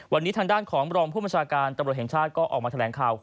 วันนี้ทางด้านของรองผู้บัญชาการตำรวจแห่งชาติก็ออกมาแถลงข่าว